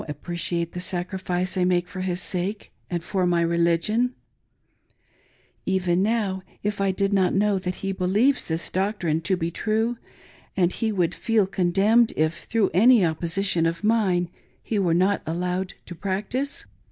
appre ciate the sacrifice I make for his sake and for my religion, pven now, if I did not know that he believes this doctrine to be true, and he would feel condemned if, through any opposition of mine, he were not allowed to practice